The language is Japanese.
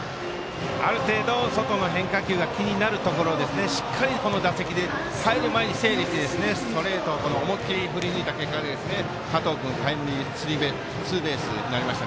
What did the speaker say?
ある程度、外の変化球が気になるところをしっかり、この打席で入る前に整理してストレートを思い切って振り抜いた結果加藤君、タイムリーツーベースになりました。